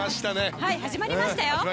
始まりましたよ。